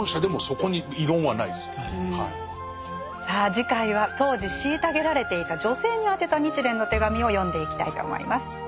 さあ次回は当時虐げられていた女性に宛てた「日蓮の手紙」を読んでいきたいと思います。